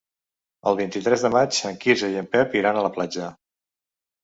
El vint-i-tres de maig en Quirze i en Pep iran a la platja.